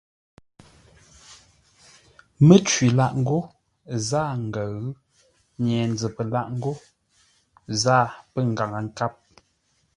Mə́cwi lâʼ ngô: zâa ngəʉ. Nye-nzəpə ghó zâa pə̂ Ngaŋə-nkâp.